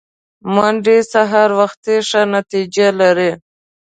منډه سهار وختي ښه نتیجه لري